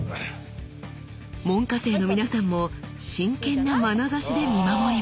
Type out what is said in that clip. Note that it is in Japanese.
門下生の皆さんも真剣なまなざしで見守ります。